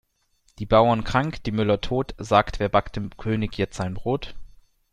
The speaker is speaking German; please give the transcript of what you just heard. Die Bauern krank, die Müller tot, sagt wer backt dem König jetzt sein Brot?